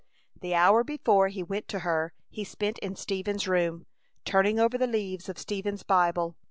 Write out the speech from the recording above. The hour before he went to her he spent in Stephen's room, turning over the leaves of Stephen's Bible.